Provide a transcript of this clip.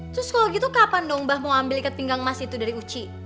terus kalau gitu kapan dong mbah mau ambil ikat pinggang emas itu dari uci